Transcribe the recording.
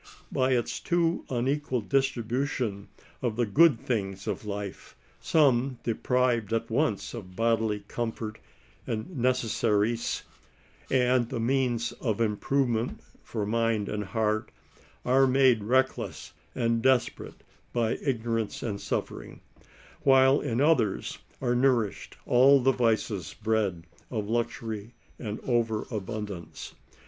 By its too unequal distribution of the good things of life, som6» deprived at once of bodily comforts and necessaries, and the means of improvement for mind and heart, are made reckless and desperate by ignorance and suffering ; while in others are nourished all the vices bred of luxury and over abundance.